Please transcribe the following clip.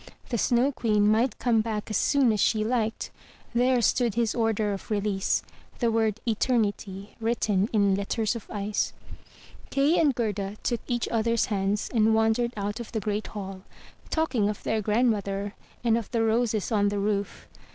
The Snow Queen might come back as soon as she liked; there stood his order of release — the word "Eternity" written in letters of ice. Kay and Gerda took each other's hands, and wandered out of the great hall, talking of their grandmother, and of the roses on the roof.